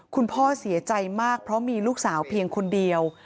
คุณพ่อเสียใจมากเพราะมีลูกสาวเพียงคนเดียว